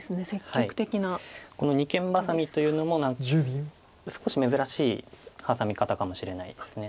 この二間バサミというのも少し珍しいハサミ方かもしれないです。